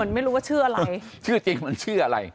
ไม่รู้ว่าชื่ออะไรชื่อจริงมันชื่ออะไร